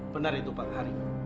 benar itu pak hari